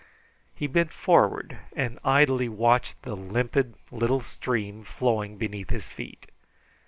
He bent forward and idly watched the limpid little stream flowing beneath his feet.